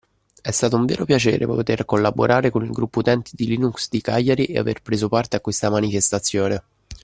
E' stato vero piacere poter collaborare con il Gruppo Utenti di Linux di Cagliari e aver preso parte a questa manifestazione.